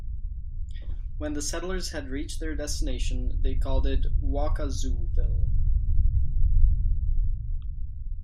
When the settlers had reached their destination they called it Waukazooville.